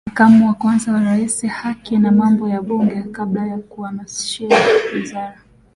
Makamu wa Kwanza wa Rais haki na Mambo ya Bunge kabla ya kuhamishiwa Wizara